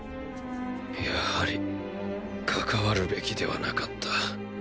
やはり関わるべきではなかった